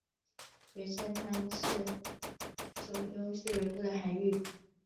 玄界滩是九州西北部的海域。